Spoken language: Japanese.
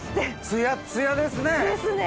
ツヤツヤですね。